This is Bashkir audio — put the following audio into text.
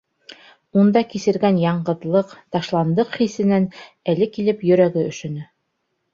Унда кисергән яңғыҙлыҡ, ташландыҡ хисенән әле килеп йөрәге өшөнө.